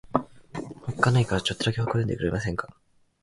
おっかないからちょっとだけ微笑んでくれませんか。